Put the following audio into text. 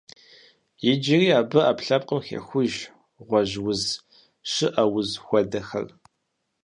Иджыри абы ӏэпкълъэпкъым хехуж гъуэжь уз, щӏыӏэ уз хуэдэхэр.